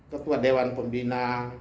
ketua dewan pembina